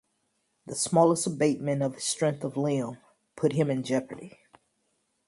The smallest abatement of his strength of limb put him in jeopardy.